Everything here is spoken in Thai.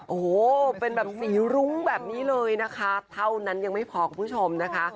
โอ้โหเป็นแบบสีรุ้งแบบนี้เลยนะคะเท่านั้นยังไม่พอคุณผู้ชมนะคะ